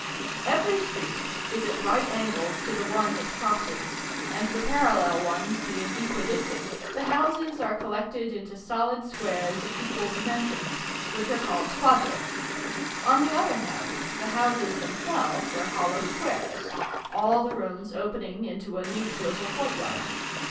Every street is at right angles to the one it crosses, and the parallel ones being equidistant, the houses are collected into solid squares of equal dimensions, which are called quadras. On the other hand, the houses themselves are hollow squares; all the rooms opening into a neat little courtyard.